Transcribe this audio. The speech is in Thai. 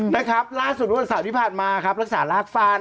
นะครับล่าสุดเมื่อวันเสาร์ที่ผ่านมาครับรักษารากฟาด